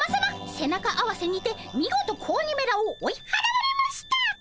背中合わせにて見事子鬼めらを追い払われました！